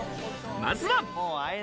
まずは。